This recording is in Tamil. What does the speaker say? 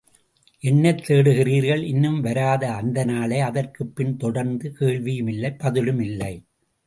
என்ன தேடுகிறீர்கள்? இன்னும் வராத அந்தநாளை! அதற்குப் பின் தொடர்ந்து, கேள்வியும் இல்லை, பதிலும் இல்லை!